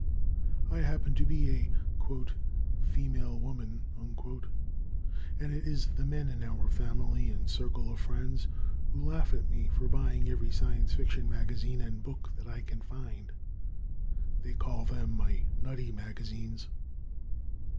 I happen to be a "female woman," and it is the men in our family and circle of friends who laugh at me for buying every Science Fiction magazine and book that I can find. They call them my "nutty magazines."